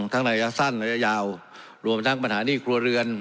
ทั้งระยะสั้นระยะยาวรวมทั้งปัญหาหนี้ครัวเรือน